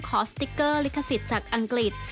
สติ๊กเกอร์ลิขสิทธิ์จากอังกฤษ